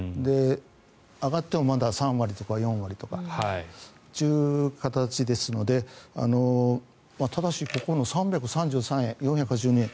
上がってもまだ３割とか４割とかという形ですのでただしここの３３３円、４８２円